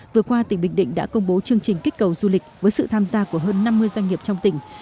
vừa qua tỉnh bình định đã công bố chương trình kích cầu du lịch với sự tham gia của hơn năm mươi doanh nghiệp trong tỉnh